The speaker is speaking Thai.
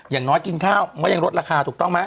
อย่างน้อยกินข้าวมันก็ยังลดราคาถูกต้องไหม